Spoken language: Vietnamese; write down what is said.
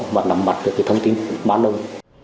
và làm mặt được cái thông tin bán đông